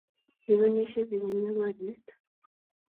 kimengishei biik eng nyokoryet